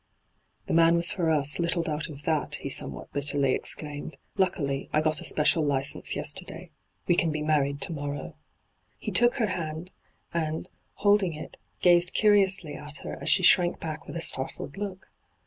' The man was for us, little doubt of that,' he somewhat bitterly exclaimed. ' Luckily, I got a special license yesterday. We can be married to morrow.' hyGoogIc 136 ENTRAPPED He took her hand, and, holding it, gazed curiously at her as she shrank back with a startled look.